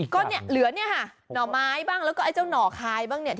ก็เนี่ยเหลือเนี่ยค่ะหน่อไม้บ้างแล้วก็ไอ้เจ้าหน่อคายบ้างเนี่ย